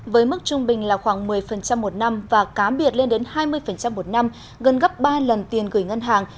với mức trung bình là khoảng một mươi một năm và cá biệt lên đến hai mươi một năm gần gấp ba lần tiền gửi ngân hàng